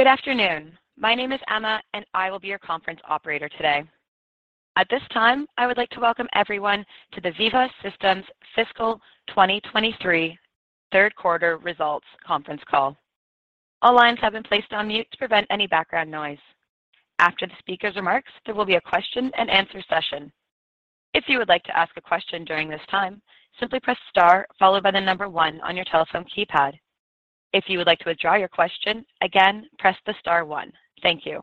Good afternoon. My name is Emma, and I will be your conference operator today. At this time, I would like to welcome everyone to the Veeva Systems Fiscal 2023 Third Quarter Results Conference Call. All lines have been placed on mute to prevent any background noise. After the speaker's remarks, there will be a question and answer session. If you would like to ask a question during this time, simply press star followed by one on your telephone keypad. If you would like to withdraw your question, again, press star one. Thank you.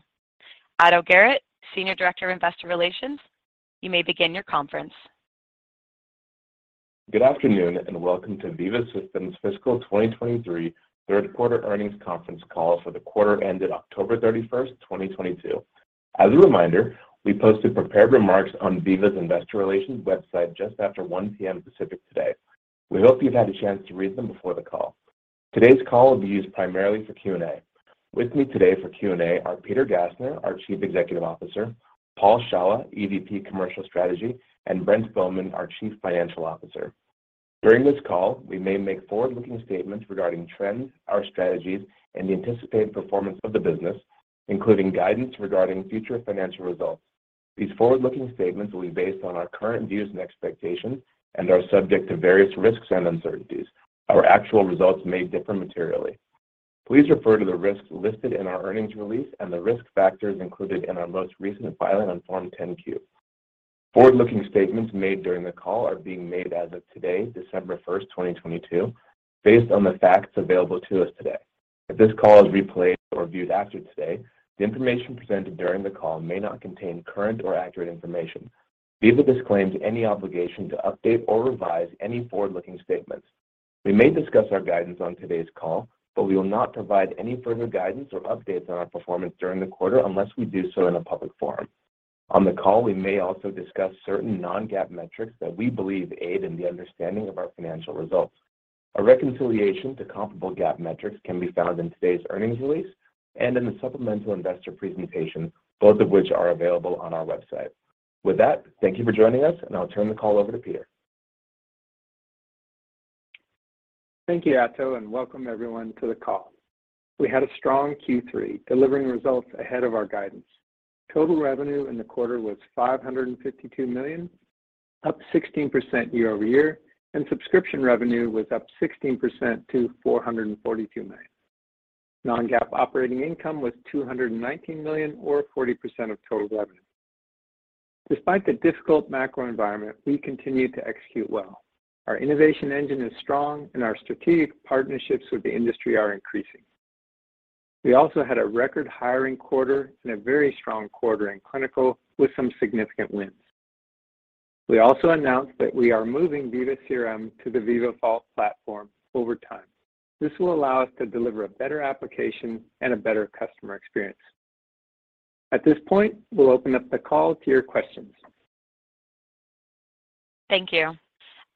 Ato Garrett, Senior Director of Investor Relations, you may begin your conference. Good afternoon. Welcome to Veeva Systems Fiscal 2023 Third Quarter Earnings Conference Call for the quarter ended October 31st, 2022. As a reminder, we posted prepared remarks on Veeva's Investor Relations website just after 1:00 P.M. Pacific today. We hope you've had a chance to read them before the call. Today's call will be used primarily for Q&A. With me today for Q&A are Peter Gassner, our Chief Executive Officer, Paul Shawah, EVP Commercial Strategy, and Brent Bowman, our Chief Financial Officer. During this call, we may make forward-looking statements regarding trends, our strategies, and the anticipated performance of the business, including guidance regarding future financial results. These forward-looking statements will be based on our current views and expectations and are subject to various risks and uncertainties. Our actual results may differ materially. Please refer to the risks listed in our earnings release and the risk factors included in our most recent filing on form 10-Q. Forward-looking statements made during the call are being made as of today, December 1st, 2022, based on the facts available to us today. If this call is replayed or viewed after today, the information presented during the call may not contain current or accurate information. Veeva disclaims any obligation to update or revise any forward-looking statements. We may discuss our guidance on today's call, but we will not provide any further guidance or updates on our performance during the quarter unless we do so in a public forum. On the call, we may also discuss certain non-GAAP metrics that we believe aid in the understanding of our financial results. A reconciliation to comparable GAAP metrics can be found in today's earnings release and in the supplemental investor presentation, both of which are available on our website. With that, thank you for joining us, and I'll turn the call over to Peter. Thank you, Ato, and welcome everyone to the call. We had a strong Q3, delivering results ahead of our guidance. Total revenue in the quarter was $552 million, up 16% year-over-year, and subscription revenue was up 16% to $442 million. Non-GAAP operating income was $219 million or 40% of total revenue. Despite the difficult macro environment, we continue to execute well. Our innovation engine is strong and our strategic partnerships with the industry are increasing. We also had a record hiring quarter and a very strong quarter in clinical with some significant wins. We also announced that we are moving Veeva CRM to the Veeva Vault platform over time. This will allow us to deliver a better application and a better customer experience. At this point, we'll open up the call to your questions. Thank you.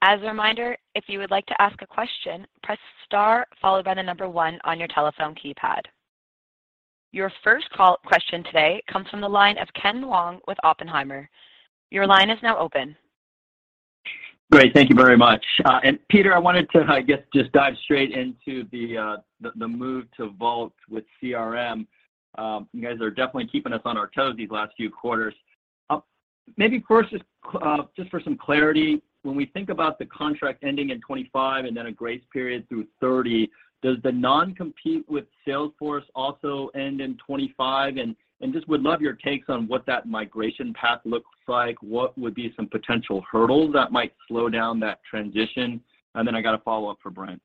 As a reminder, if you would like to ask a question, press star followed by the number one on your telephone keypad. Your first call question today comes from the line of Ken Wong with Oppenheimer. Your line is now open. Great. Thank you very much. Peter, I wanted to, I guess, just dive straight into the move to Vault with CRM. You guys are definitely keeping us on our toes these last few quarters. Maybe first, just for some clarity, when we think about the contract ending in 25 and then a grace period through 30, does the non-compete with Salesforce also end in 25? Just would love your takes on what that migration path looks like. What would be some potential hurdles that might slow down that transition? Then I got a follow-up for Brent.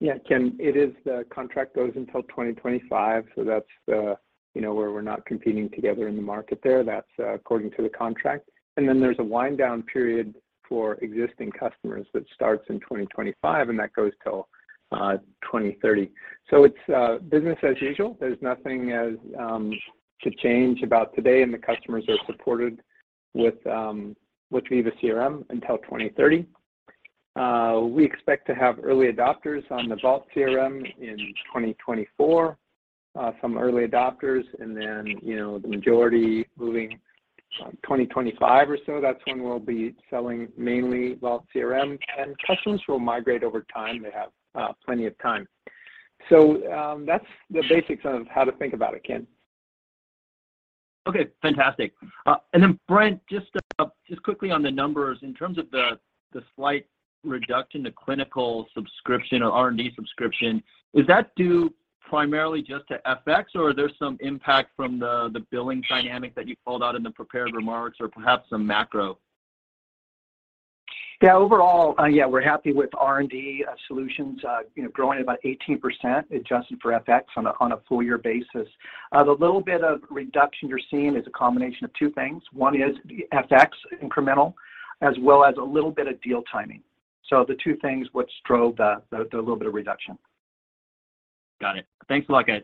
Yeah, Ken, it is the contract goes until 2025, so that's the, you know, where we're not competing together in the market there. That's according to the contract. Then there's a wind down period for existing customers that starts in 2025, and that goes till 2030. It's business as usual. There's nothing as to change about today, and the customers are supported with Veeva CRM until 2030. We expect to have early adopters on the Vault CRM in 2024, some early adopters and then, you know, the majority moving 2025 or so. That's when we'll be selling mainly Vault CRM, and customers will migrate over time. They have plenty of time. That's the basics of how to think about it, Ken. Okay, fantastic. Brent, just quickly on the numbers, in terms of the slight reduction to clinical subscription or R&D subscription, is that due primarily just to FX or are there some impact from the billing dynamic that you called out in the prepared remarks or perhaps some macro? Yeah. Overall, we're happy with R&D solutions, you know, growing about 18% adjusted for FX on a full year basis. The little bit of reduction you're seeing is a combination of two things. One is the FX incremental, as well as a little bit of deal timing. The two things which drove the little bit of reduction. Got it. Thanks a lot, guys.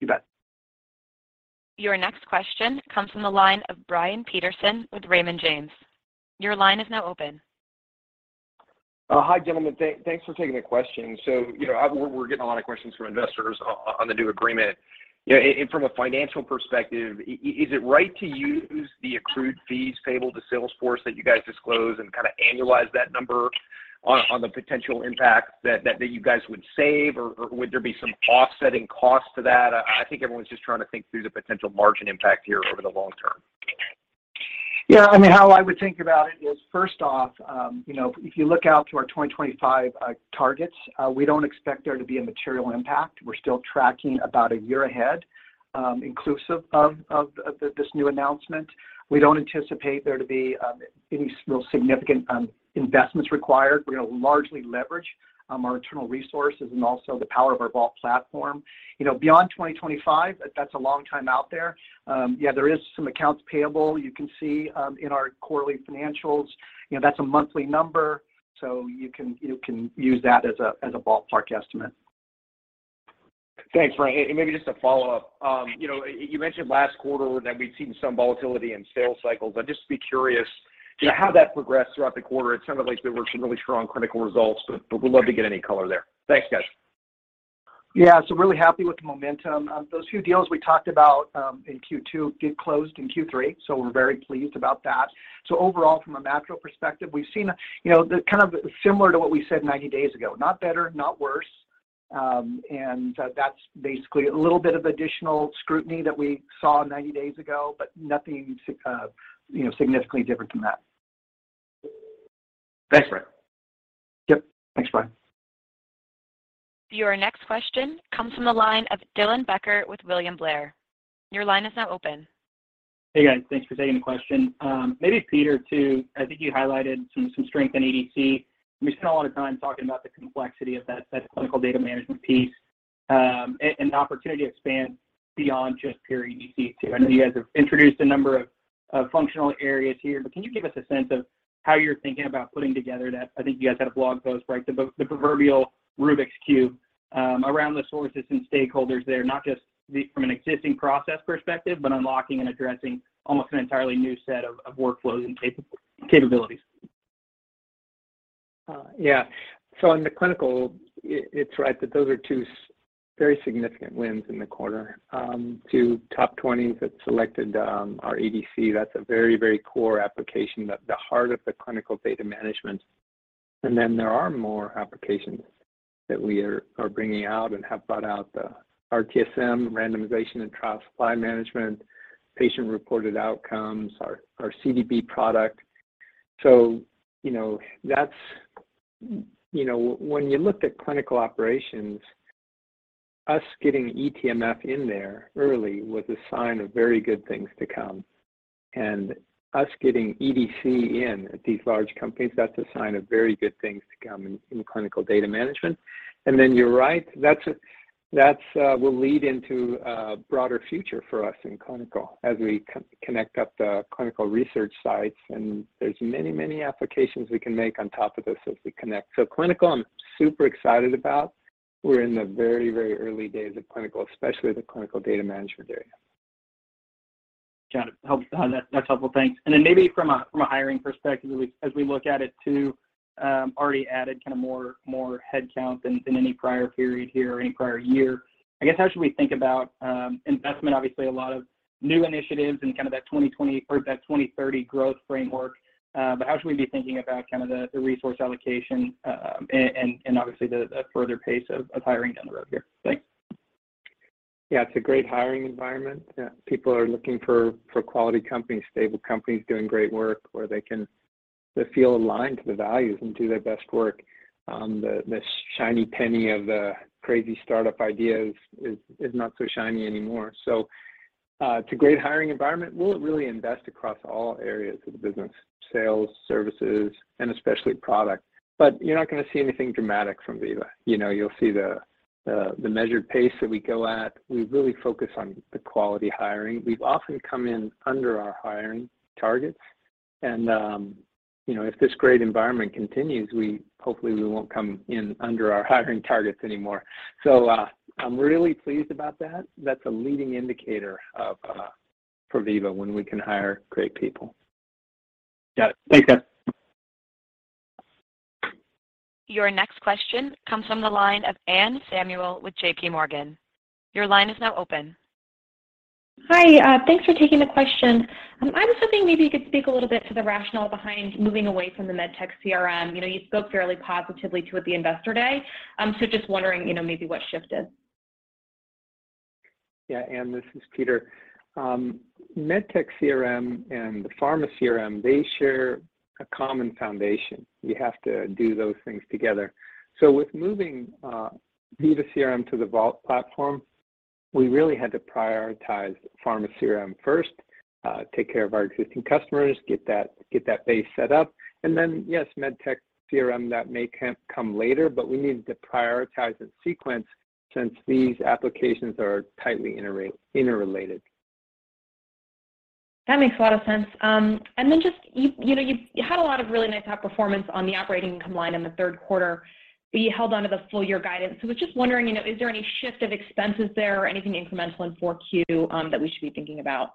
You bet. Your next question comes from the line of Brian Peterson with Raymond James. Your line is now open. Hi, gentlemen. Thanks for taking the question. You know, we're getting a lot of questions from investors on the new agreement. You know, and from a financial perspective, is it right to use the accrued fees payable to Salesforce that you guys disclose and kind of annualize that number on the potential impact that you guys would save or would there be some offsetting cost to that? I think everyone's just trying to think through the potential margin impact here over the long term. Yeah. I mean, how I would think about it is, first off, you know, if you look out to our 2025 targets, we don't expect there to be a material impact. We're still tracking about a year ahead, inclusive of this new announcement. We don't anticipate there to be any real significant investments required. We're gonna largely leverage our internal resources and also the power of our Vault platform. You know, beyond 2025, that's a long time out there. Yeah, there is some accounts payable you can see in our quarterly financials. You know, that's a monthly number, so you can use that as a ballpark estimate. Thanks, Brent. Maybe just a follow-up. You know, you mentioned last quarter that we'd seen some volatility in sales cycles, I'd just be curious, you know, how that progressed throughout the quarter. It sounded like there were some really strong clinical results, but would love to get any color there. Thanks, guys. Yeah. Really happy with the momentum. Those two deals we talked about in Q2 get closed in Q3, so we're very pleased about that. Overall, from a macro perspective, we've seen, you know, the kind of similar to what we said 90 days ago. Not better, not worse. That's basically a little bit of additional scrutiny that we saw 90 days ago, but nothing significantly different than that. Thanks, Brent. Yep. Thanks, Brian. Your next question comes from the line of Dylan Becker with William Blair. Your line is now open. Hey, guys. Thanks for taking the question. Maybe Peter too. I think you highlighted some strength in ADC, and we spend a lot of time talking about the complexity of that clinical data management piece, and the opportunity to expand beyond just pure EDC too. I know you guys have introduced a number of functional areas here, but can you give us a sense of how you're thinking about putting together that, I think you guys had a blog post, right? The proverbial Rubik's cube, around the sources and stakeholders there, not just from an existing process perspective, but unlocking and addressing almost an entirely new set of workflows and capabilities. Yeah. In the clinical, it's right that those are two very significant wins in the quarter. Two top 20s have selected our ADC. That's a very core application at the heart of the clinical data management. Then there are more applications that we are bringing out and have brought out, the RTSM, Randomization and Trial Supply Management, patient-reported outcomes, our CDB product. You know, that's. You know, when you looked at clinical operations, us getting eTMF in there early was a sign of very good things to come. Us getting EDC in at these large companies, that's a sign of very good things to come in clinical data management. You're right, that's will lead into a broader future for us in clinical as we connect up the clinical research sites, and there's many applications we can make on top of this as we connect. Clinical, I'm super excited about. We're in the very early days of clinical, especially the clinical data management area. Got it. That's helpful. Thanks. Maybe from a hiring perspective, as we look at it too, already added kind of more headcount than any prior period here or any prior year. I guess, how should we think about investment? Obviously, a lot of new initiatives and kind of that 2020 or that 2030 growth framework. How should we be thinking about kind of the resource allocation, and obviously the further pace of hiring down the road here? Thanks. It's a great hiring environment. People are looking for quality companies, stable companies doing great work where they feel aligned to the values and do their best work. The, this shiny penny of the crazy startup ideas is not so shiny anymore. It's a great hiring environment. We'll really invest across all areas of the business, sales, services, and especially product. You're not gonna see anything dramatic from Veeva. You know, you'll see the measured pace that we go at. We really focus on the quality hiring. We've often come in under our hiring targets and, you know, if this great environment continues, hopefully we won't come in under our hiring targets anymore. I'm really pleased about that. That's a leading indicator of for Veeva when we can hire great people. Got it. Thanks, guys. Your next question comes from the line of Anne Samuel with JPMorgan. Your line is now open. Hi. Thanks for taking the question. I was hoping maybe you could speak a little bit to the rationale behind moving away from the medtech CRM? You know, you spoke fairly positively to it at the Investor Day. Just wondering, you know, maybe what shifted? Yeah. Anne, this is Peter. med tech CRM and the pharma CRM, they share a common foundation. You have to do those things together. With moving Veeva CRM to the Vault platform, we really had to prioritize pharma CRM first, take care of our existing customers, get that base set up. Then, yes, med tech CRM, that may come later, we needed to prioritize and sequence since these applications are tightly interrelated. That makes a lot of sense. Then just you know, you had a lot of really nice outperformance on the operating income line in the third quarter, but you held onto the full-year guidance. I was just wondering, you know, is there any shift of expenses there or anything incremental in 4Q that we should be thinking about?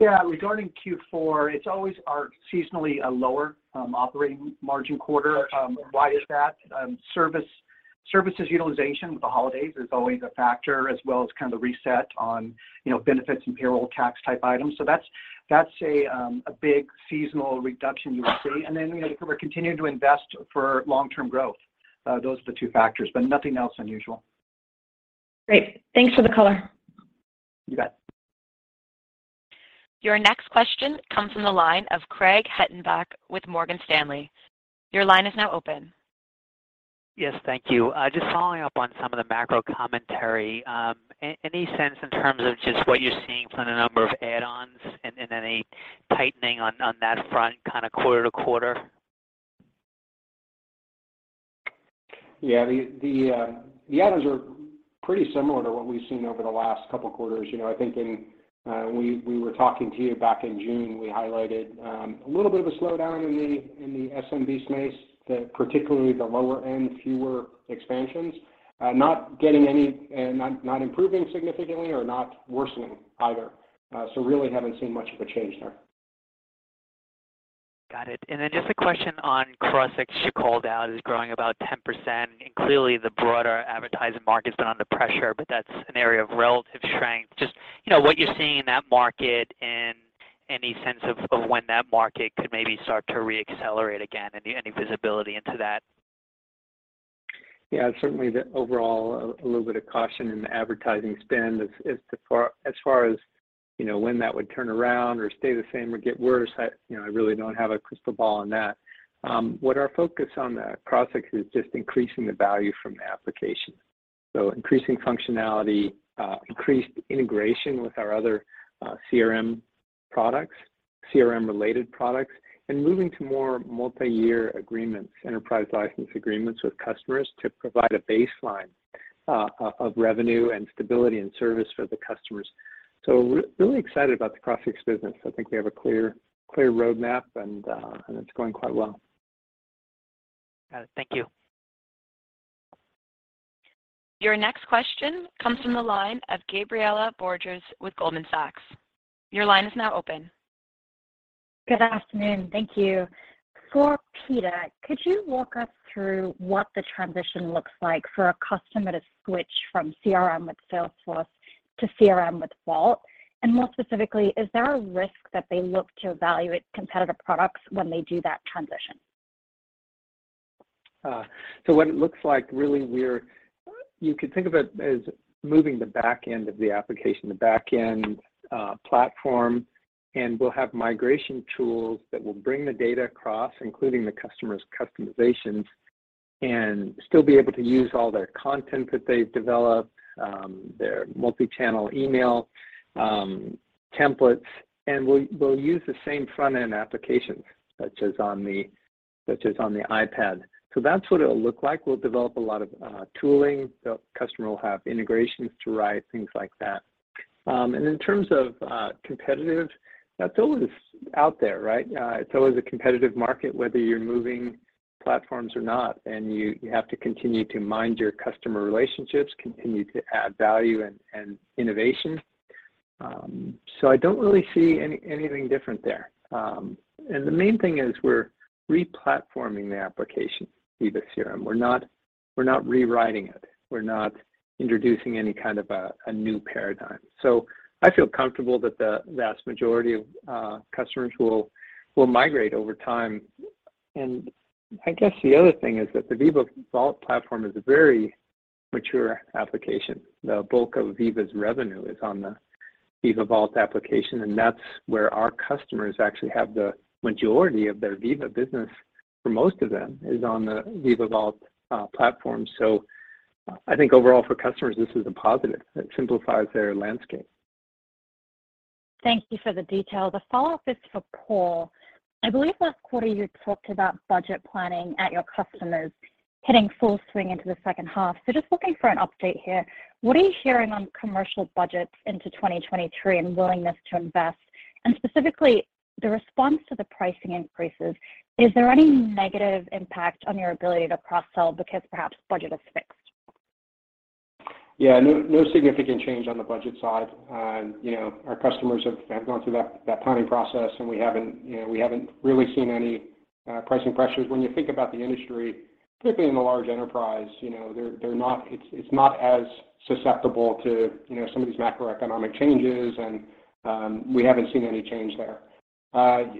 Regarding Q4, it's always our seasonally, lower, operating margin quarter. Why is that? Service Services utilization with the holidays is always a factor, as well as kind of the reset on, you know, benefits and payroll tax type items. That's a big seasonal reduction you would see. You know, we're continuing to invest for long-term growth. Those are the two factors, nothing else unusual. Great. Thanks for the color. You bet. Your next question comes from the line of Craig Hettenbach with Morgan Stanley. Your line is now open. Yes. Thank you. Just following up on some of the macro commentary. Any sense in terms of just what you're seeing from the number of add-ons and any tightening on that front kind of quarter-to-quarter? The add-ons are pretty similar to what we've seen over the last couple quarters. You know, I think in, we were talking to you back in June, we highlighted, a little bit of a slowdown in the, in the SMB space, the, particularly the lower end, fewer expansions. Not improving significantly or not worsening either. Really haven't seen much of a change there. Got it. Just a question on Crossix you called out as growing about 10%, and clearly the broader advertising market's been under pressure, but that's an area of relative strength. Just, you know, what you're seeing in that market and any sense of when that market could maybe start to re-accelerate again. Any visibility into that? Certainly the overall a little bit of caution in the advertising spend as far as, you know, when that would turn around or stay the same or get worse, I, you know, I really don't have a crystal ball on that. What our focus on Crossix is just increasing the value from the application. Increasing functionality, increased integration with our other CRM products, CRM-related products, and moving to more multi-year agreements, enterprise license agreements with customers to provide a baseline of revenue and stability and service for the customers. Really excited about the Crossix business. I think we have a clear roadmap and it's going quite well. Got it. Thank you. Your next question comes from the line of Gabriela Borges with Goldman Sachs. Your line is now open. Good afternoon. Thank you. For Peter, could you walk us through what the transition looks like for a customer to switch from CRM with Salesforce to CRM with Vault? More specifically, is there a risk that they look to evaluate competitive products when they do that transition? What it looks like really, you could think of it as moving the back end of the application, the back end platform, and we'll have migration tools that will bring the data across, including the customer's customizations, and still be able to use all their content that they've developed, their Approved Email templates. We'll use the same front-end applications such as on the iPad. That's what it'll look like. We'll develop a lot of tooling. The customer will have integrations to write, things like that. In terms of competitive, that's always out there, right? It's always a competitive market, whether you're moving platforms or not, and you have to continue to mind your customer relationships, continue to add value and innovation. I don't really see anything different there. The main thing is we're re-platforming the application, Veeva CRM. We're not rewriting it. We're not introducing any kind of a new paradigm. I feel comfortable that the vast majority of customers will migrate over time. I guess the other thing is that the Veeva Vault platform is a very mature application. The bulk of Veeva's revenue is on the Veeva Vault application, and that's where our customers actually have the majority of their Veeva business for most of them is on the Veeva Vault platform. I think overall for customers, this is a positive. It simplifies their landscape. Thank you for the detail. The follow-up is for Paul. I believe last quarter you talked about budget planning at your customers hitting full swing into the second half. Just looking for an update here. What are you hearing on commercial budgets into 2023 and willingness to invest? Specifically, the response to the pricing increases, is there any negative impact on your ability to cross-sell because perhaps budget is fixed? Yeah. No, no significant change on the budget side. You know, our customers have gone through that planning process, we haven't, you know, really seen any pricing pressures. When you think about the industry, particularly in the large enterprise, you know, it's not as susceptible to, you know, some of these macroeconomic changes, we haven't seen any change there.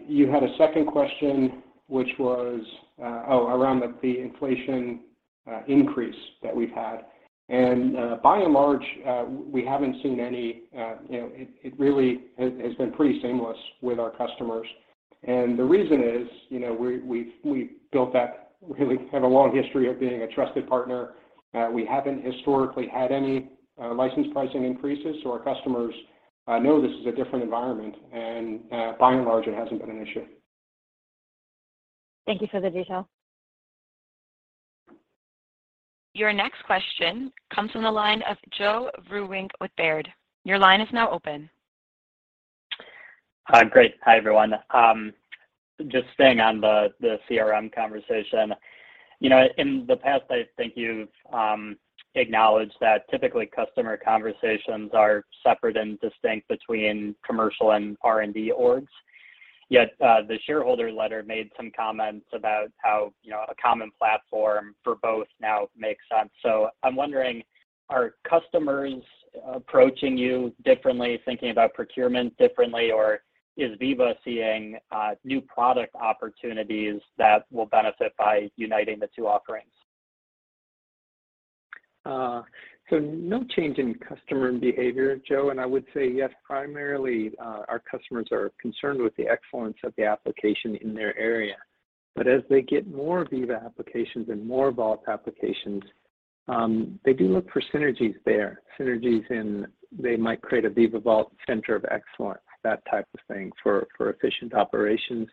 You had a second question, which was around the inflation increase that we've had. By and large, we haven't seen any, you know. It really has been pretty seamless with our customers. The reason is, you know, we've built that really kind of long history of being a trusted partner. We haven't historically had any license pricing increases. Our customers know this is a different environment. By and large, it hasn't been an issue. Thank you for the detail. Your next question comes from the line of Joe Vruwink with Baird. Your line is now open. Hi. Great. Hi, everyone. Just staying on the CRM conversation. You know, in the past I think you've acknowledged that typically customer conversations are separate and distinct between commercial and R&D orgs. The shareholder letter made some comments about how, you know, a common platform for both now makes sense. I'm wondering, are customers approaching you differently, thinking about procurement differently, or is Veeva seeing, new product opportunities that will benefit by uniting the two offerings? No change in customer behavior, Joe. I would say yes, primarily, our customers are concerned with the excellence of the application in their area. As they get more Veeva applications and more Vault applications, they do look for synergies there. Synergies in they might create a Veeva Vault center of excellence, that type of thing, for efficient operations.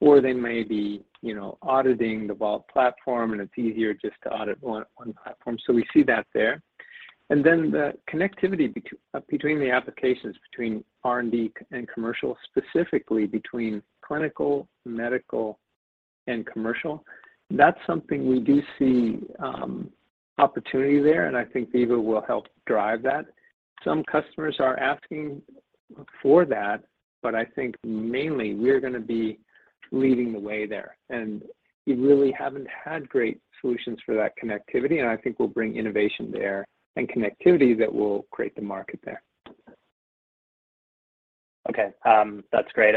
They may be, you know, auditing the Vault platform and it's easier just to audit one platform. We see that there. Then the connectivity between the applications, between R&D and commercial, specifically between clinical, medical, and commercial, that's something we do see opportunity there, and I think Veeva will help drive that. Some customers are asking for that. I think mainly we're gonna be leading the way there. We really haven't had great solutions for that connectivity, and I think we'll bring innovation there and connectivity that will create the market there. Okay. That's great.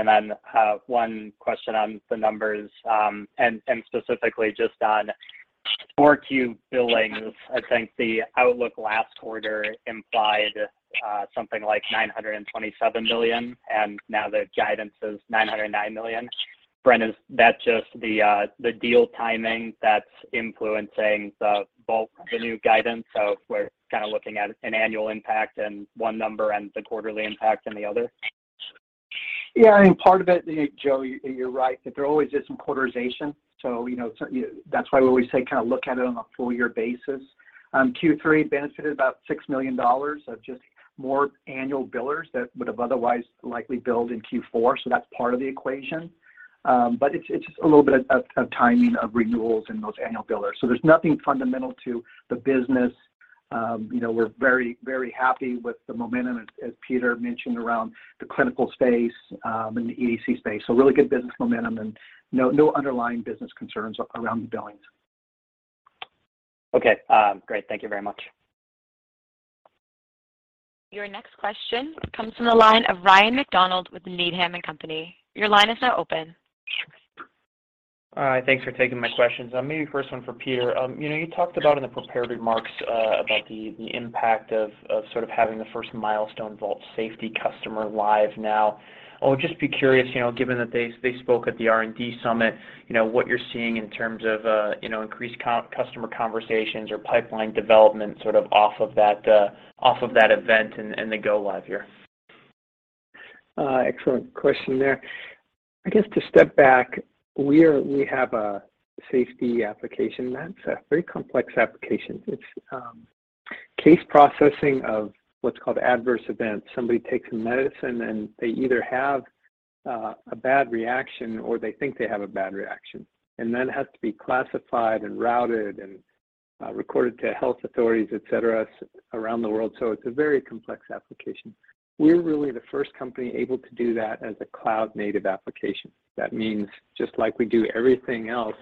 One question on the numbers, and specifically just on 4Q billings. I think the outlook last quarter implied something like $927 million, now the guidance is $909 million. Brent, is that just the deal timing that's influencing the Vault, the new guidance? We're kind of looking at an annual impact and one number and the quarterly impact in the other? Yeah. I mean, part of it, Joe, you're right, that there always is some quarterization. you know, that's why we always say kind of look at it on a full year basis. Q3 benefited about $6 million of just more annual billers that would have otherwise likely billed in Q4, so that's part of the equation. It's just a little bit of timing of renewals in those annual billers. There's nothing fundamental to the business. you know, we're very, very happy with the momentum, as Peter mentioned around the clinical space and the EDC space. Really good business momentum and no underlying business concerns around the billings. Great. Thank you very much. Your next question comes from the line of Ryan MacDonald with Needham & Company. Your line is now open. All right. Thanks for taking my questions. maybe first one for Peter. you know, you talked about in the prepared remarks, about the impact of sort of having the first milestone Vault Safety customer live now. I would just be curious, you know, given that they spoke at the R&D Summit, you know, what you're seeing in terms of, you know, increased customer conversations or pipeline development sort of off of that, off of that event and the go live here. Excellent question there. I guess to step back, we have a safety application. That's a very complex application. It's case processing of what's called Adverse Events. Somebody takes a medicine, they either have a bad reaction or they think they have a bad reaction, then it has to be classified and routed and recorded to health authorities, et cetera, around the world. It's a very complex application. We're really the first company able to do that as a cloud-native application. That means, just like we do everything else,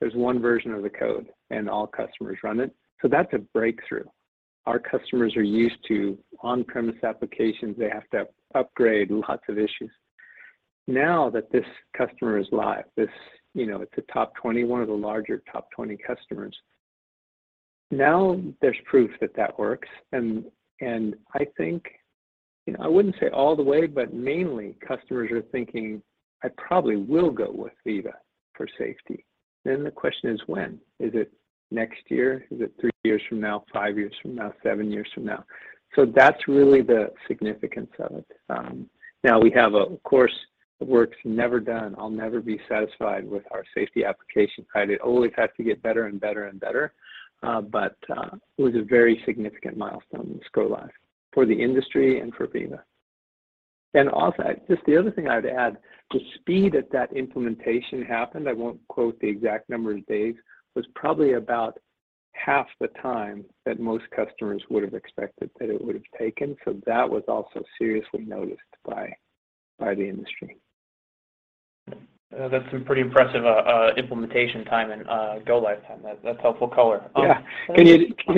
there's one version of the code. All customers run it. That's a breakthrough. Our customers are used to on-premise applications. They have to upgrade, lots of issues. Now that this customer is live, this, you know, it's a top 20, one of the larger top 20 customers. Now there's proof that that works. I think, you know, I wouldn't say all the way, but mainly customers are thinking, "I probably will go with Veeva for safety." The question is when. Is it next year? Is it three years from now? Five years from now? Seven years from now? That's really the significance of it. Now we have of course, the work's never done. I'll never be satisfied with our safety application. It always has to get better and better and better. It was a very significant milestone in Scroll Life for the industry and for Veeva. Just the other thing I'd add, the speed that that implementation happened, I won't quote the exact number of days, was probably about half the time that most customers would have expected that it would have taken. That was also seriously noticed by the industry. That's some pretty impressive implementation time and go live time. That's helpful color. Yeah. Can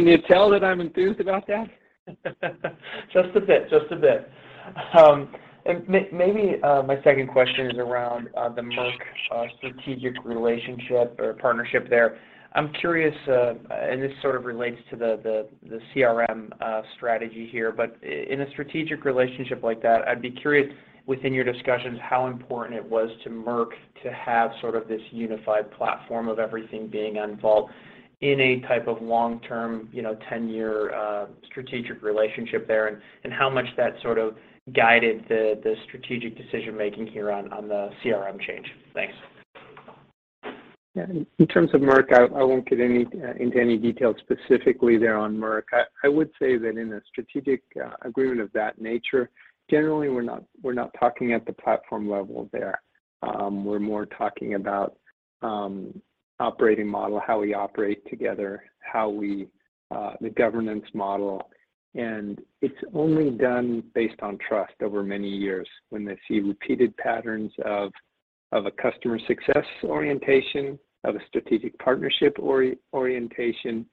you tell that I'm enthused about that? Just a bit. Just a bit. Maybe my second question is around the Merck strategic relationship or partnership there. I'm curious, this sort of relates to the CRM strategy here, but in a strategic relationship like that, I'd be curious, within your discussions, how important it was to Merck to have sort of this unified platform of everything being on Vault in a type of long-term, you know, 10-year strategic relationship there, and how much that sort of guided the strategic decision-making here on the CRM change. Thanks. Yeah. In terms of Merck, I won't get into any detail specifically there on Merck. I would say that in a strategic agreement of that nature, generally, we're not talking at the platform level there. We're more talking about operating model, how we operate together, how we, the governance model. It's only done based on trust over many years when they see repeated patterns of a customer success orientation, of a strategic partnership orientation,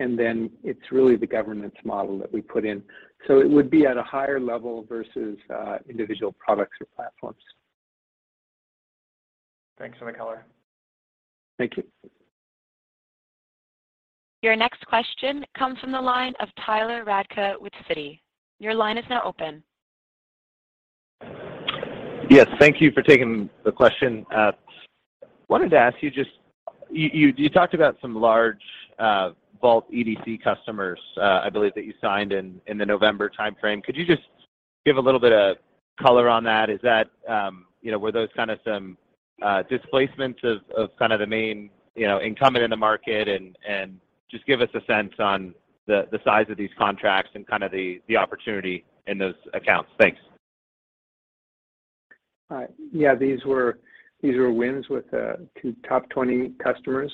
and then it's really the governance model that we put in. It would be at a higher level versus individual products or platforms. Thanks for the color. Thank you. Your next question comes from the line of Tyler Radke with Citi. Your line is now open. Yes. Thank you for taking the question. You talked about some large Vault EDC customers, I believe that you signed in the November time frame. Could you just give a little bit of color on that? Is that, you know, were those kind of some displacements of kind of the main, you know, incumbent in the market and just give us a sense on the size of these contracts and kind of the opportunity in those accounts. Thanks. Yeah. These were wins with two top 20 customers.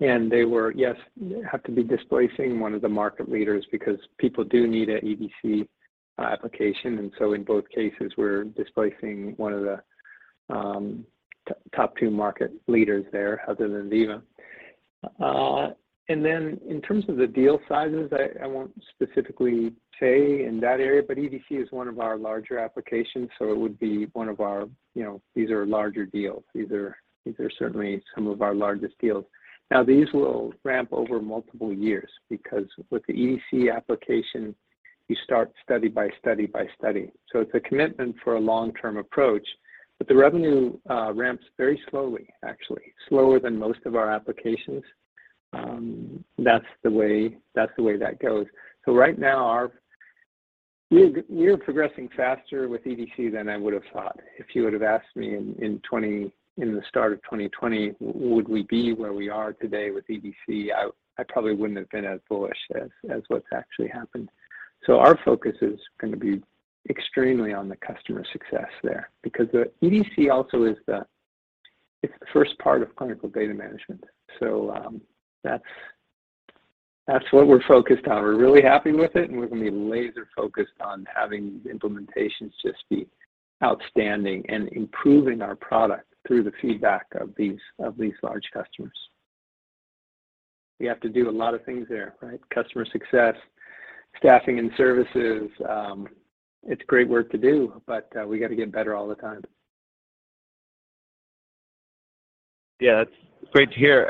They were, yes, have to be displacing one of the market leaders because people do need a EDC application. In both cases, we're displacing one of the top two market leaders there other than Veeva. In terms of the deal sizes, I won't specifically say in that area, but EDC is one of our larger applications, so it would be one of our, you know, these are larger deals. These are certainly some of our largest deals. Now, these will ramp over multiple years because with the EDC application, you start study by study by study. It's a commitment for a long-term approach, but the revenue ramps very slowly, actually, slower than most of our applications. That's the way, that's the way that goes. Right now, we're progressing faster with EDC than I would have thought. If you would have asked me in the start of 2020, would we be where we are today with EDC, I probably wouldn't have been as bullish as what's actually happened. Our focus is gonna be extremely on the customer success there. Because the EDC also is the first part of clinical data management. That's what we're focused on. We're really happy with it, and we're gonna be laser-focused on having the implementations just be outstanding and improving our product through the feedback of these large customers. We have to do a lot of things there, right? Customer success, staffing and services. It's great work to do, but, we got to get better all the time. Yeah. It's great to hear.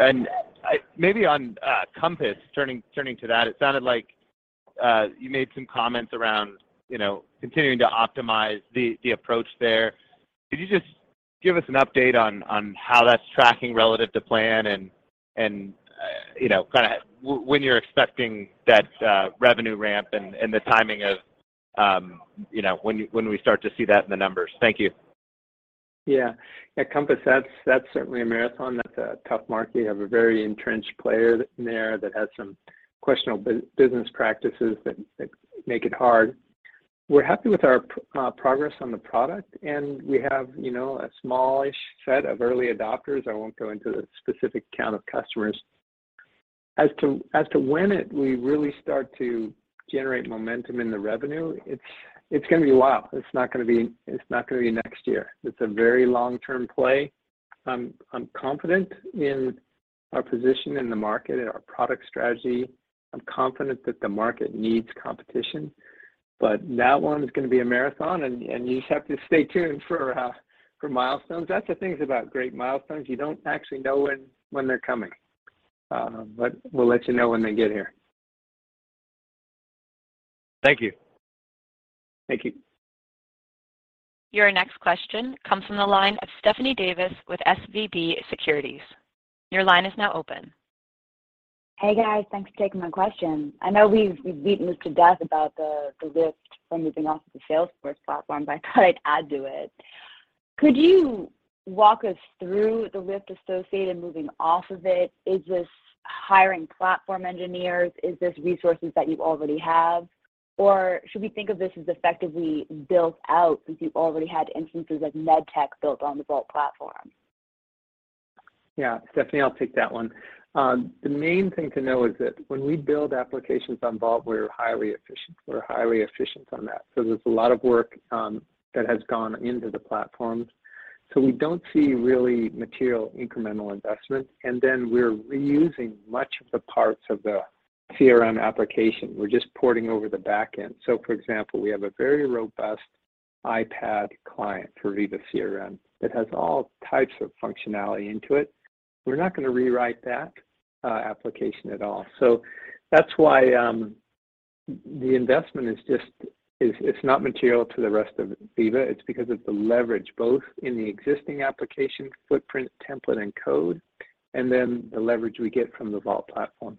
Maybe on Compass, turning to that, it sounded like you made some comments around, you know, continuing to optimize the approach there. Could you just give us an update on how that's tracking relative to plan and, you know, kinda when you're expecting that revenue ramp and the timing of, you know, when we start to see that in the numbers? Thank you. Yeah. Yeah, Veeva Compass, that's certainly a marathon. That's a tough market. You have a very entrenched player there that has some questionable business practices that make it hard. We're happy with our progress on the product, and we have, you know, a small-ish set of early adopters. I won't go into the specific count of customers. As to when we really start to generate momentum in the revenue, it's gonna be a while. It's not gonna be next year. It's a very long-term play. I'm confident in our position in the market and our product strategy. I'm confident that the market needs competition. That one's gonna be a marathon, and you just have to stay tuned for milestones. That's the thing about great milestones. You don't actually know when they're coming. We'll let you know when they get here. Thank you. Thank you. Your next question comes from the line of Stephanie Davis with SVB Securities. Your line is now open. Hey, guys. Thanks for taking my question. I know we've beaten this to death about the lift from moving off of the Salesforce platform. I thought I'd add to it. Could you walk us through the lift associated moving off of it? Is this hiring platform engineers? Is this resources that you already have? Or should we think of this as effectively built out since you've already had instances of med tech built on the Vault platform? Yeah. Stephanie, I'll take that one. The main thing to know is that when we build applications on Vault, we're highly efficient. We're highly efficient on that. There's a lot of work that has gone into the platform. We don't see really material incremental investment, and then we're reusing much of the parts of the CRM application. We're just porting over the back end. For example, we have a very robust iPad client for Veeva CRM that has all types of functionality into it. We're not gonna rewrite that application at all. That's why the investment is, it's not material to the rest of Veeva. It's because of the leverage both in the existing application footprint, template, and code, and then the leverage we get from the Vault platform.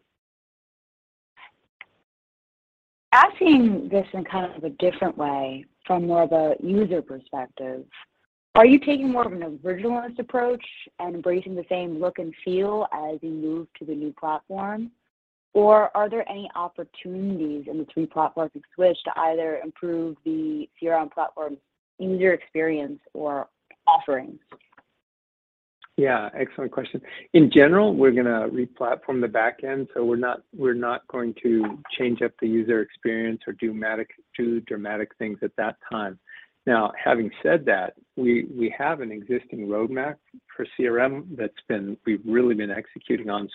Asking this in kind of a different way, from more of a user perspective, are you taking more of an originalist approach and embracing the same look and feel as you move to the new platform? Are there any opportunities in the two platforms you've switched to either improve the CRM platform user experience or offerings? Excellent question. In general, we're gonna re-platform the back end, so we're not going to change up the user experience or do dramatic things at that time. Having said that, we have an existing roadmap for CRM that's been we've really been executing on.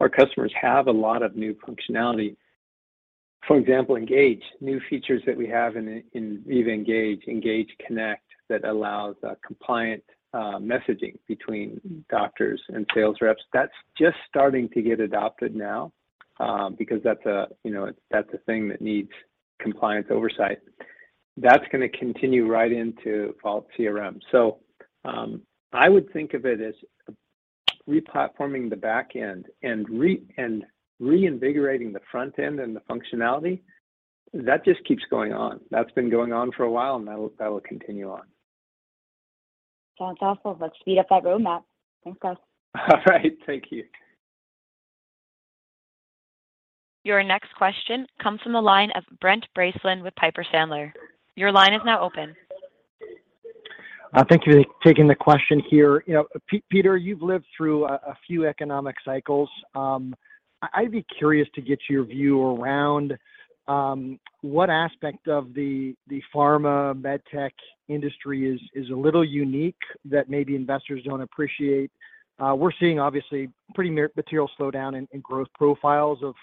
Our customers have a lot of new functionality. For example, Engage. New features that we have in Veeva Engage Connect, that allows compliant messaging between doctors and sales reps. That's just starting to get adopted now, because that's a, you know, that's a thing that needs compliance oversight. That's gonna continue right into Vault CRM. I would think of it as replatforming the back end and reinvigorating the front end and the functionality. That just keeps going on. That's been going on for a while, that will continue on. Sounds awesome. Let's speed up that roadmap. Thanks, guys. All right, thank you. Your next question comes from the line of Brent Bracelin with Piper Sandler. Your line is now open. Thank you for taking the question here. You know, Peter, you've lived through a few economic cycles. I'd be curious to get your view around what aspect of the pharma, med tech industry is a little unique that maybe investors don't appreciate. We're seeing obviously pretty material slowdown in growth profiles of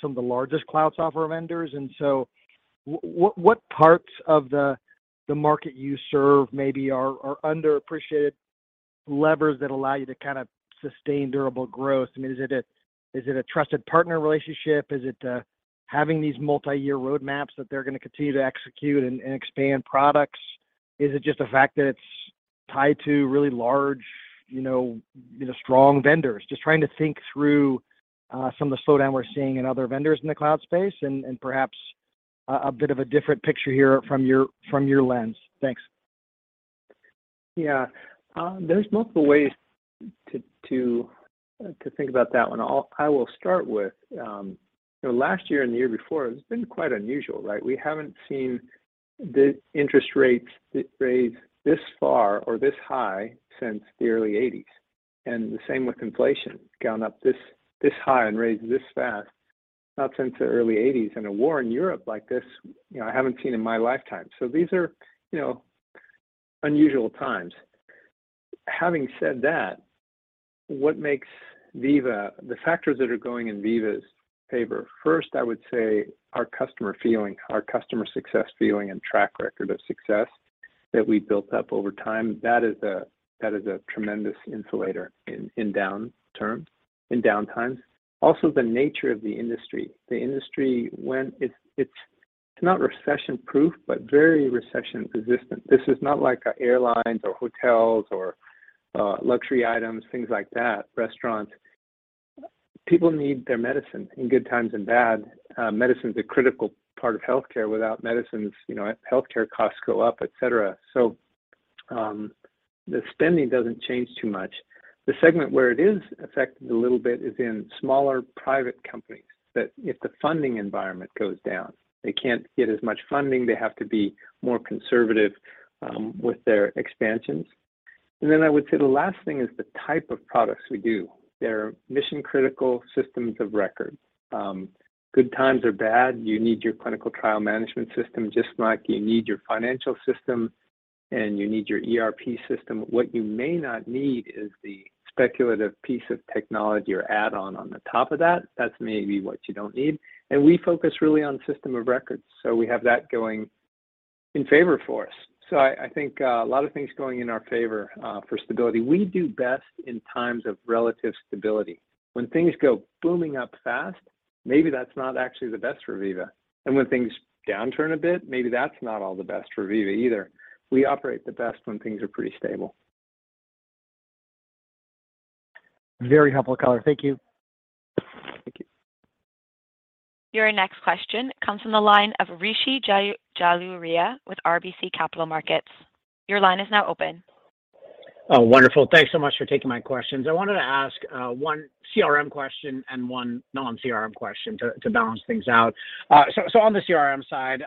some of the largest cloud software vendors. What parts of the market you serve maybe are underappreciated levers that allow you to kind of sustain durable growth? I mean, is it a trusted partner relationship? Is it having these multiyear roadmaps that they're gonna continue to execute and expand products? Is it just the fact that it's tied to really large, you know, strong vendors? Just trying to think through, some of the slowdown we're seeing in other vendors in the cloud space and perhaps a bit of a different picture here from your lens. Thanks. There's multiple ways to think about that one. I will start with, you know, last year and the year before, it's been quite unusual, right? We haven't seen the interest rates raise this far or this high since the early 80s. The same with inflation. It's gone up this high and raised this fast, not since the early 80s. A war in Europe like this, you know, I haven't seen in my lifetime. These are, you know, unusual times. Having said that, what makes Veeva, the factors that are going in Veeva's favor, first, I would say our customer feeling, our customer success feeling and track record of success that we built up over time. That is a tremendous insulator in down terms, in down times. The nature of the industry. The industry, when it's not recession-proof, but very recession-resistant. This is not like a airlines or hotels or luxury items, things like that, restaurants. People need their medicine in good times and bad. Medicine's a critical part of healthcare. Without medicines, you know, healthcare costs go up, et cetera. The spending doesn't change too much. The segment where it is affected a little bit is in smaller private companies, that if the funding environment goes down, they can't get as much funding. They have to be more conservative with their expansions. I would say the last thing is the type of products we do. They're mission-critical systems of record. Good times or bad, you need your clinical trial management system just like you need your financial system and you need your ERP system. What you may not need is the speculative piece of technology or add-on on the top of that. That's maybe what you don't need. We focus really on system of records. We have that going in favor for us. I think, a lot of things going in our favor, for stability. We do best in times of relative stability. When things go booming up fast, maybe that's not actually the best for Veeva. When things downturn a bit, maybe that's not all the best for Veeva either. We operate the best when things are pretty stable. Very helpful color. Thank you. Thank you. Your next question comes from the line of Rishi Jaluria with RBC Capital Markets. Your line is now open. Oh, wonderful. Thanks so much for taking my questions. I wanted to ask one CRM question and one non-CRM question to balance things out. On the CRM side,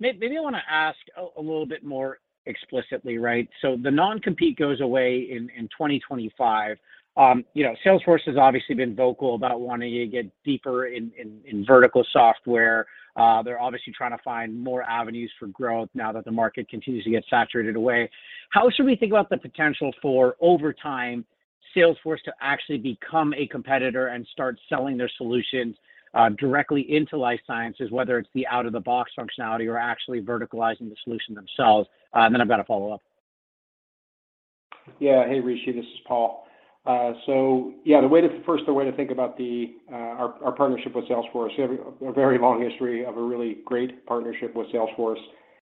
maybe I wanna ask a little bit more explicitly, right? The non-compete goes away in 2025. You know, Salesforce has obviously been vocal about wanting to get deeper in vertical software. They're obviously trying to find more avenues for growth now that the market continues to get saturated away. How should we think about the potential for, over time, Salesforce to actually become a competitor and start selling their solutions directly into life sciences, whether it's the out-of-the-box functionality or actually verticalizing the solution themselves? Then I've got a follow-up. Yeah. Hey, Rishi, this is Paul. Yeah, first, the way to think about the our partnership with Salesforce, we have a very long history of a really great partnership with Salesforce.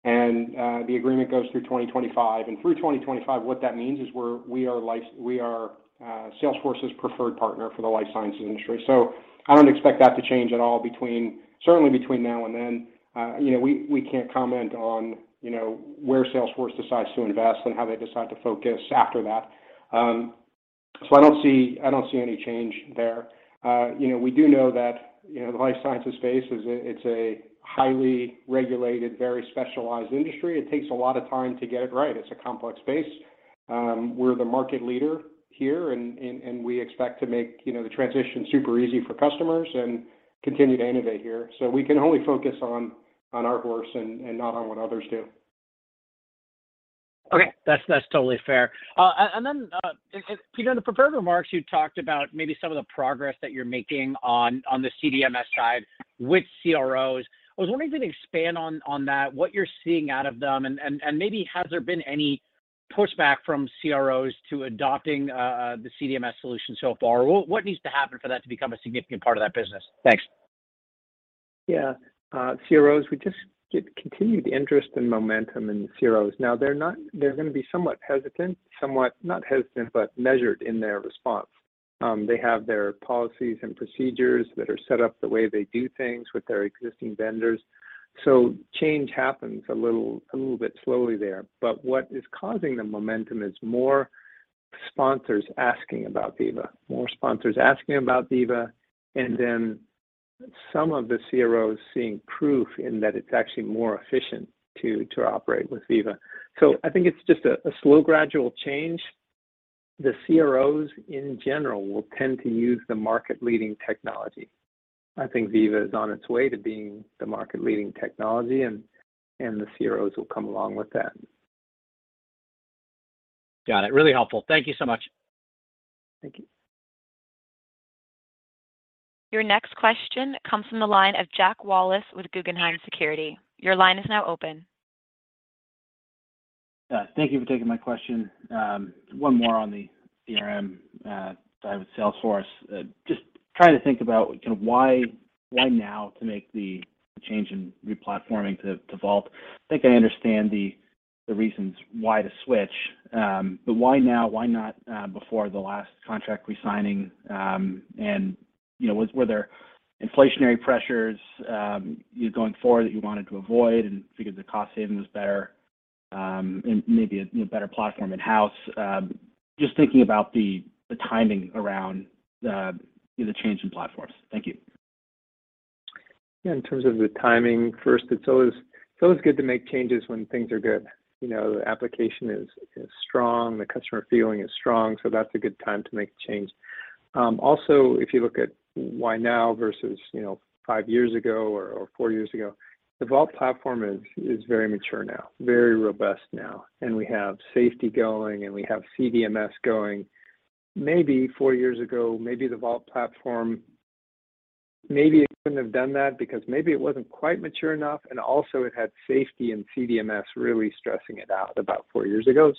The agreement goes through 2025. Through 2025, what that means is we are Salesforce's preferred partner for the life sciences industry. I don't expect that to change at all between, certainly between now and then. You know, we can't comment on, you know, where Salesforce decides to invest and how they decide to focus after that. I don't see, I don't see any change there. You know, we do know that, you know, the life sciences space is a highly regulated, very specialized industry. It takes a lot of time to get it right. It's a complex space. We're the market leader here and we expect to make, you know, the transition super easy for customers and continue to innovate here. We can only focus on our horse and not on what others do. Okay. That's, that's totally fair. Peter, in the prepared remarks, you talked about maybe some of the progress that you're making on the CDMS side with CROs. I was wondering if you can expand on that, what you're seeing out of them and maybe has there been any pushback from CROs to adopting the CDMS solution so far? What needs to happen for that to become a significant part of that business? Thanks. CROs, we just get continued interest and momentum in CROs. They're gonna be somewhat hesitant, somewhat not hesitant, but measured in their response. They have their policies and procedures that are set up the way they do things with their existing vendors. Change happens a little bit slowly there. What is causing the momentum is more sponsors asking about Veeva. More sponsors asking about Veeva, and then some of the CROs seeing proof in that it's actually more efficient to operate with Veeva. I think it's just a slow gradual change. The CROs in general will tend to use the market-leading technology. I think Veeva is on its way to being the market-leading technology, and the CROs will come along with that. Got it. Really helpful. Thank you so much. Thank you. Your next question comes from the line of Jack Wallace with Guggenheim Securities. Your line is now open. Thank you for taking my question. One more on the CRM side with Salesforce. Just trying to think about kind of why now to make the change in re-platforming to Vault? I think I understand the reasons why to switch, but why now? Why not before the last contract re-signing? And, you know, were there inflationary pressures going forward that you wanted to avoid and figured the cost saving was better, and maybe a, you know, better platform in-house? Just thinking about the timing around the change in platforms. Thank you. Yeah. In terms of the timing, first, it's always good to make changes when things are good. You know, the application is strong, the customer feeling is strong, so that's a good time to make a change. Also, if you look at why now versus, you know, five years ago or four years ago, the Vault Platform is very mature now, very robust now, and we have Safety going and we have CDMS going. Maybe four years ago, maybe the Vault Platform, maybe it couldn't have done that because maybe it wasn't quite mature enough, and also it had Safety and CDMS really stressing it out about four years ago.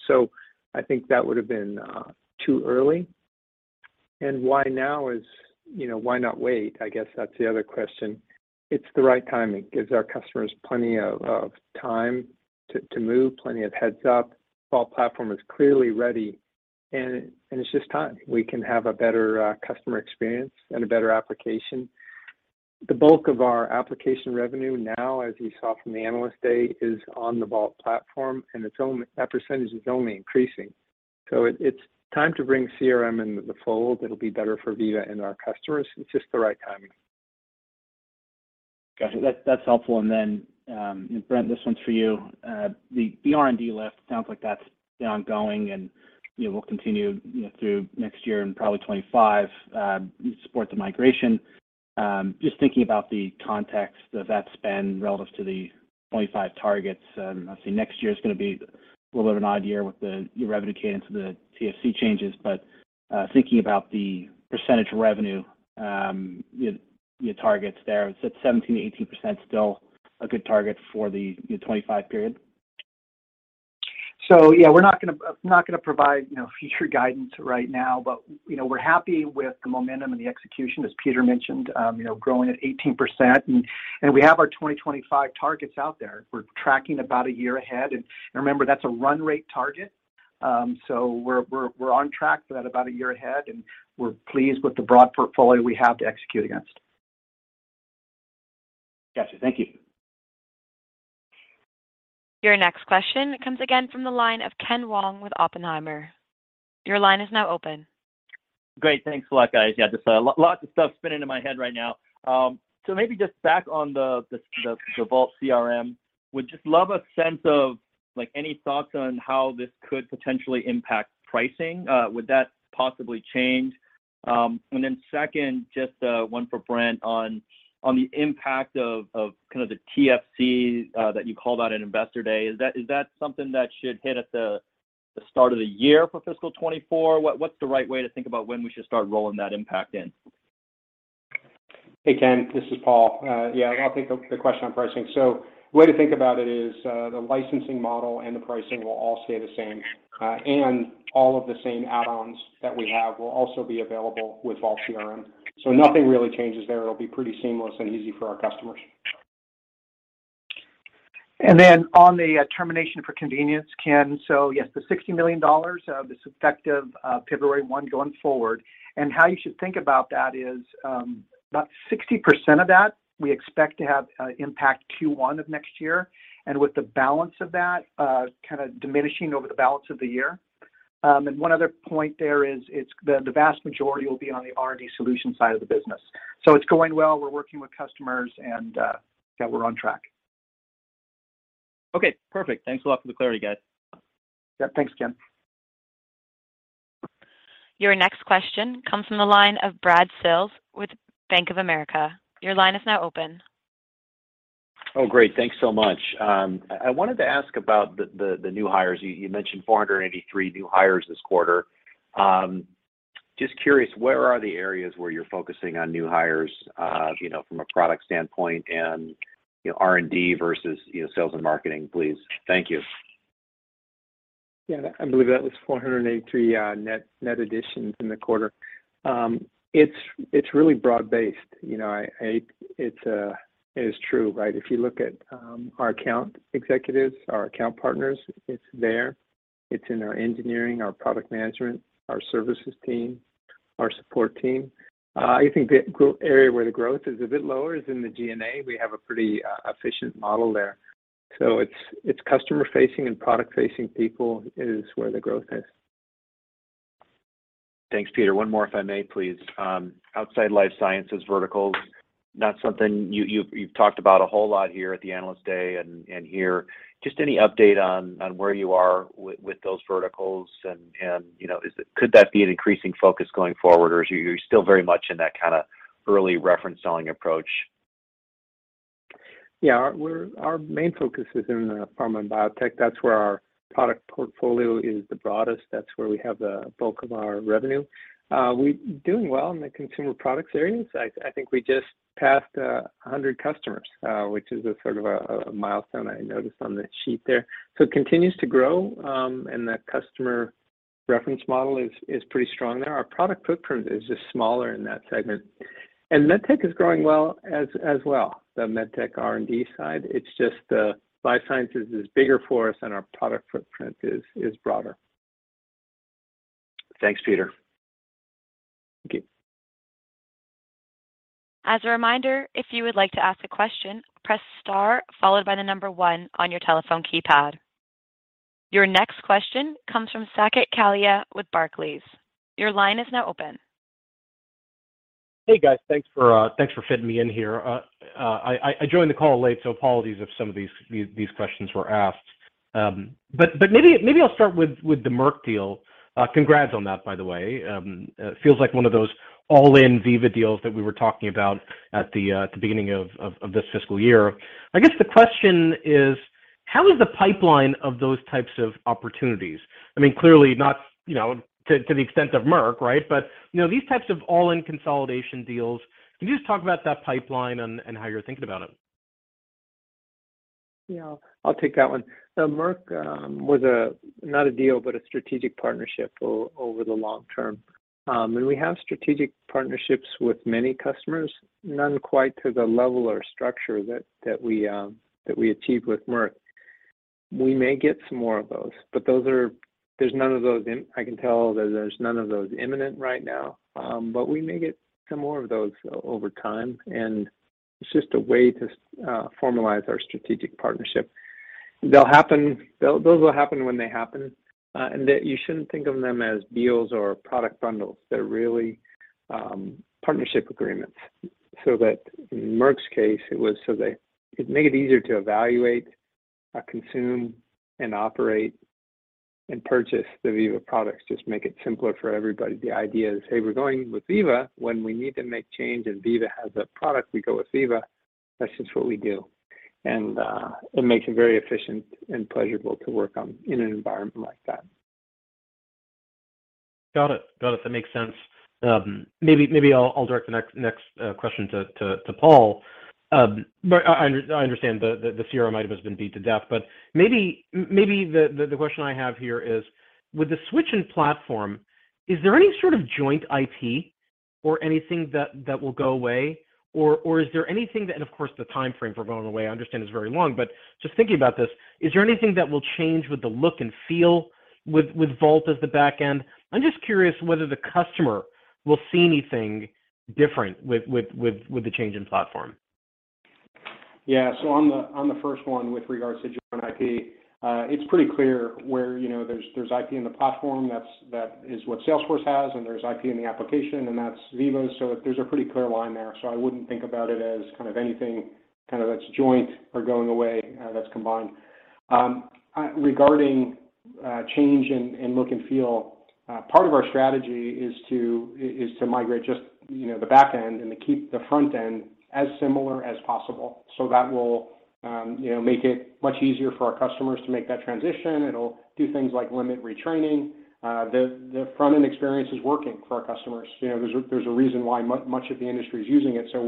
I think that would've been too early. Why now is, you know, why not wait? I guess that's the other question. It's the right timing. Gives our customers plenty of time to move, plenty of heads-up. Vault platform is clearly ready and it's just time. We can have a better customer experience and a better application. The bulk of our application revenue now, as you saw from the Analyst Day, is on the Vault platform, and that percentage is only increasing. It's time to bring CRM into the fold. It'll be better for Veeva and our customers. It's just the right timing. Gotcha. That, that's helpful. Brent, this one's for you. The R&D lift, sounds like that's ongoing and, you know, will continue, you know, through next year and probably 2025, support the migration. Just thinking about the context of that spend relative to the 2025 targets, obviously next year is gonna be a little bit of an odd year with the, your revenue cadence and the TFC changes. Thinking about the percentage of revenue, your targets there, is it 17%-18% still a good target for the year 2025 period? Yeah, we're not gonna, not gonna provide, you know, future guidance right now. You know, we're happy with the momentum and the execution, as Peter mentioned, you know, growing at 18%. We have our 2025 targets out there. We're tracking about a year ahead. Remember, that's a run rate target. We're on track for that about a year ahead, and we're pleased with the broad portfolio we have to execute against. Gotcha. Thank you. Your next question comes again from the line of Ken Wong with Oppenheimer. Your line is now open. Great. Thanks a lot, guys. Just lots of stuff spinning in my head right now. Maybe just back on the Vault CRM. Would just love a sense of, like any thoughts on how this could potentially impact pricing. Would that possibly change? Second, just one for Brent on the impact of kind of the TFC that you called out in Investor Day. Is that something that should hit at the start of the year for fiscal 2024? What's the right way to think about when we should start rolling that impact in? Hey, Ken, this is Paul. Yeah, I'll take the question on pricing. The way to think about it is the licensing model and the pricing will all stay the same. All of the same add-ons that we have will also be available with Vault CRM. Nothing really changes there. It'll be pretty seamless and easy for our customers. On the termination for convenience, Ken. Yes, the $60 million, this effective February 1 going forward. How you should think about that is about 60% of that we expect to have impact Q1 of next year. With the balance of that kind of diminishing over the balance of the year. One other point there is, the vast majority will be on the R&D solution side of the business. It's going well, we're working with customers and, yeah, we're on track. Okay, perfect. Thanks a lot for the clarity, guys. Yeah. Thanks, Jim. Your next question comes from the line of Brad Sills with Bank of America. Your line is now open. Oh, great. Thanks so much. I wanted to ask about the new hires. You mentioned 483 new hires this quarter. Just curious, where are the areas where you're focusing on new hires, you know, from a product standpoint and, you know, R&D versus, you know, sales and marketing, please? Thank you. Yeah, I believe that was 483 net additions in the quarter. It's really broad-based. You know, it's true, right? If you look at our account executives, our account partners, it's there. It's in our engineering, our product management, our services team, our support team. I think the area where the growth is a bit lower is in the G&A. We have a pretty efficient model there. It's customer-facing and product-facing people is where the growth is. Thanks, Peter. One more if I may, please. Outside life sciences verticals, not something you've talked about a whole lot here at the Analyst Day and here. Just any update on where you are with those verticals and, you know, could that be an increasing focus going forward, or are you still very much in that kinda early reference selling approach? Yeah. Our main focus is in the pharma and biotech. That's where our product portfolio is the broadest. That's where we have the bulk of our revenue. We're doing well in the consumer products areas. I think we just passed 100 customers, which is a sort of a milestone I noticed on the sheet there. It continues to grow, and that customer reference model is pretty strong there. Our product footprint is just smaller in that segment. Med tech is growing well as well, the med tech R&D side. It's just life sciences is bigger for us and our product footprint is broader. Thanks, Peter. Thank you. As a reminder, if you would like to ask a question, press star followed by the number one on your telephone keypad. Your next question comes from Saket Kalia with Barclays. Your line is now open. Hey, guys. Thanks for fitting me in here. I joined the call late, so apologies if some of these questions were asked. Maybe I'll start with the Merck deal. Congrats on that, by the way. It feels like one of those all-in Veeva deals that we were talking about at the beginning of this fiscal year. I guess the question is: How is the pipeline of those types of opportunities? I mean, clearly not, you know, to the extent of Merck, right? You know, these types of all-in consolidation deals, can you just talk about that pipeline and how you're thinking about it? Yeah, I'll take that one. The Merck was a, not a deal, but a strategic partnership over the long term. We have strategic partnerships with many customers, none quite to the level or structure that we achieved with Merck. We may get some more of those, but I can tell there's none of those imminent right now. We may get some more of those over time, and it's just a way to formalize our strategic partnership. They'll happen. Those will happen when they happen. You shouldn't think of them as deals or product bundles. They're really partnership agreements. In Merck's case, it was so they could make it easier to evaluate, consume, and operate, and purchase the Veeva products, just make it simpler for everybody. The idea is, hey, we're going with Veeva. When we need to make change and Veeva has a product, we go with Veeva. That's just what we do. It makes it very efficient and pleasurable to work on in an environment like that. Got it. Got it. That makes sense. Maybe I'll direct the next question to Paul. I understand the CRM item has been beat to death, maybe the question I have here is: With the switch in platform, is there any sort of joint IP or anything that will go away? Or is there anything that and of course, the timeframe for going away, I understand is very long. Just thinking about this, is there anything that will change with the look and feel with Vault as the back end? I'm just curious whether the customer will see anything different with the change in platform. Yeah. On the first one with regards to joint IP, it's pretty clear where, you know, there's IP in the platform. That is what Salesforce has, and there's IP in the application, and that's Veeva's. There's a pretty clear line there. I wouldn't think about it as kind of anything kind of that's joint or going away, that's combined. Regarding change in look and feel, part of our strategy is to migrate just, you know, the back end and to keep the front end as similar as possible. That will, you know, make it much easier for our customers to make that transition. It'll do things like limit retraining. The front-end experience is working for our customers. You know, there's a reason why much of the industry is using it, so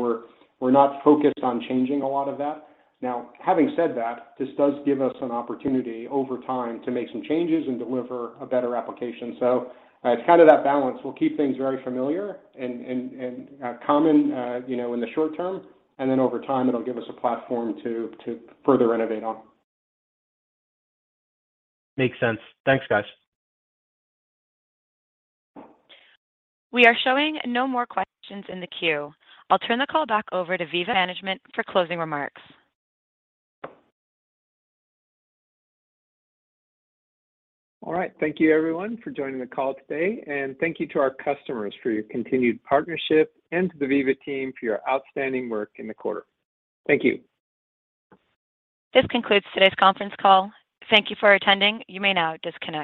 we're not focused on changing a lot of that. Now, having said that, this does give us an opportunity over time to make some changes and deliver a better application. It's kind of that balance. We'll keep things very familiar and common, you know, in the short term, and then over time, it'll give us a platform to further innovate on. Makes sense. Thanks, guys. We are showing no more questions in the queue. I'll turn the call back over to Veeva management for closing remarks. All right. Thank you everyone for joining the call today, and thank you to our customers for your continued partnership and to the Veeva team for your outstanding work in the quarter. Thank you. This concludes today's conference call. Thank you for attending. You may now disconnect.